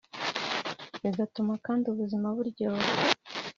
bigatuma kandi ubuzima buryoha